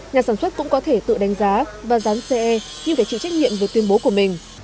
nhà sản xuất cũng có thể tự đánh giá và dán ce nhưng phải chịu trách nhiệm về tuyên bố của mình